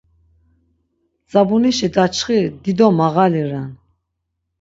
Dzabunişi daçxiri dido mağali ren.